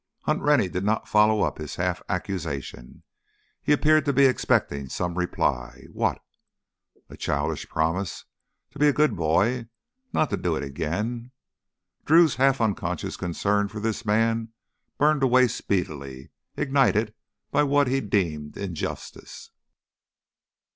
Hunt Rennie did not follow up his half accusation. He appeared to be expecting some reply. What? A childish promise to be a good boy, not to do it again? Drew's half unconscious concern for this man burned away speedily, ignited by what he deemed injustice.